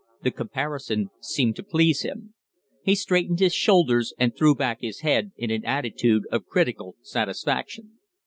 The comparison seemed to please him; he straightened his shoulders and threw back his head in an attitude of critical satisfaction.